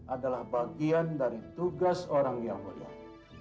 adalah bagian dari tugas orang yang mulia